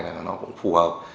nó cũng phù hợp